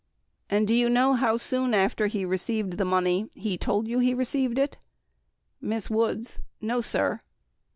And do you know how soon after he received the money he told you he received it ? Miss Woods. No sir.